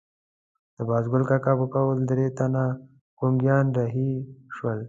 د بازګل کاکا په قول درې تنه ګونګیان رهي شول.